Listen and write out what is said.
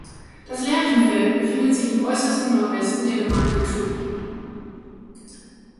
Das Lerchenfeld befindet sich im äussersten Nordwesten der Gemeinde Thun.